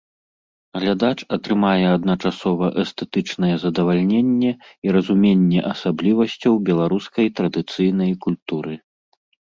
Глядач атрымае адначасова эстэтычнае задавальненне і разуменне асаблівасцяў беларускай традыцыйнай культуры.